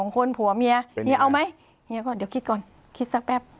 ๒คนผัวแมียฯฯเอาไหมเดี๋ยวคิดก่อนคิดสักแป็ป